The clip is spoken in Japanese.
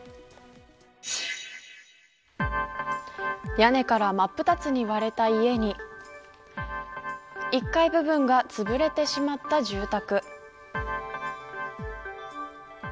屋根から真っ二つに割れた家に１階部分がつぶれてしまった住宅。